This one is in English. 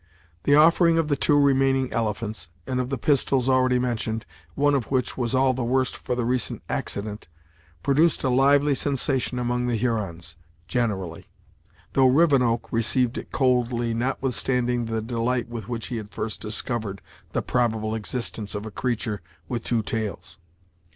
The offering of the two remaining elephants, and of the pistols already mentioned, one of which was all the worse for the recent accident, produced a lively sensation among the Hurons, generally, though Rivenoak received it coldly, notwithstanding the delight with which he had first discovered the probable existence of a creature with two tails.